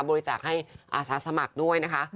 บริจาคให้อาสาสมัครด้วยนะคะ